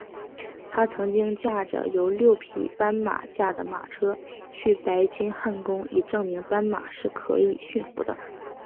他曾经驾着由六匹斑马驾的马车去白金汉宫以证明斑马是可以驯服的。